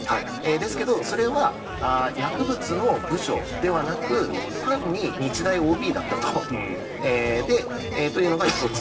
ですけど、それは薬物の部署ではなく単に日大ＯＢだったというのが１つ。